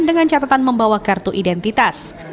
dengan catatan membawa kartu identitas